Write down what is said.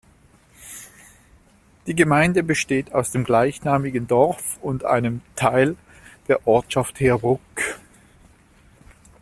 Die Gemeinde besteht aus dem gleichnamigen Dorf und einem Teil der Ortschaft Heerbrugg.